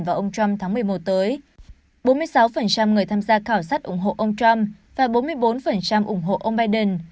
vào ông trump tháng một mươi một tới bốn mươi sáu người tham gia khảo sát ủng hộ ông trump và bốn mươi bốn ủng hộ ông biden